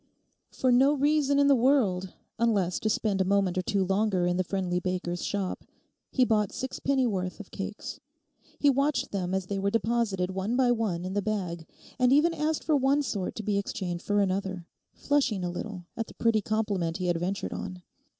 For no reason in the world, unless to spend a moment or two longer in the friendly baker's shop, he bought six penny worth of cakes. He watched them as they were deposited one by one in the bag, and even asked for one sort to be exchanged for another, flushing a little at the pretty compliment he had ventured on.